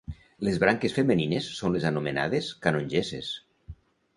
Les branques femenines són les anomenades canongesses.